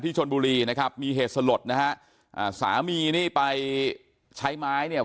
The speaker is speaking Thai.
ชนบุรีนะครับมีเหตุสลดนะฮะอ่าสามีนี่ไปใช้ไม้เนี่ย